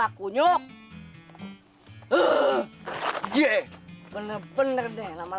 aku sampe ke langit